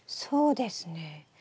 そうですね。